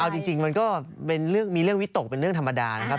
เอาจริงมันก็เป็นเรื่องมีเรื่องวิตกเป็นเรื่องธรรมดานะครับ